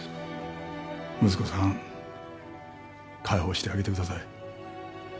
息子さん解放してあげてください。